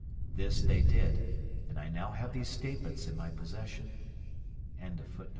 This they did and I now have these statements in my possession.